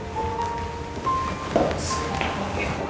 ada anaknya gak ada nggak ada